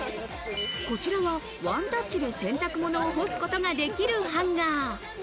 こちらはワンタッチで洗濯物を干すことができるハンガー。